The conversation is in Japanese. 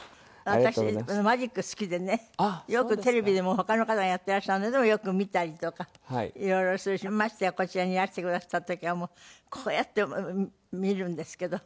私マジック好きでねよくテレビでも他の方がやっていらっしゃるのでもよく見たりとか色々するしましてやこちらにいらしてくださった時はこうやって見るんですけど。